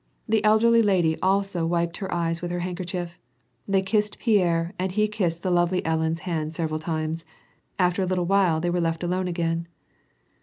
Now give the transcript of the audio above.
The elderly lady also wiped her eyes with her handkerchief. They kissed Pierre, and he kissed the lovely Ellen's hand several times. After a little they were left alone again.